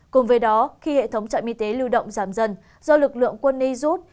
cùng với đó khi hệ thống trạm y tế lưu động giảm dần do lực lượng quân y rút